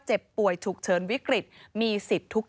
พบหน้าลูกแบบเป็นร่างไร้วิญญาณ